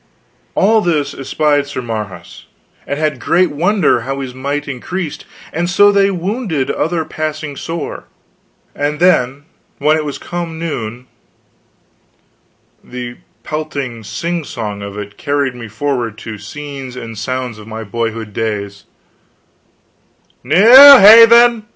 All this espied Sir Marhaus, and had great wonder how his might increased, and so they wounded other passing sore; and then when it was come noon " The pelting sing song of it carried me forward to scenes and sounds of my boyhood days: "N e e ew Haven!